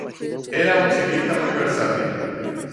Era un ciclista muy versátil.